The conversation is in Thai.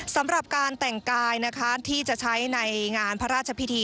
สำหรับการแต่งกายนะคะที่จะใช้ในงานพระราชพิธี